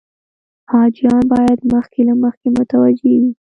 حاجیان باید مخکې له مخکې متوجه وي.